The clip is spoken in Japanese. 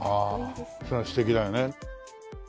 ああそれは素敵だよね。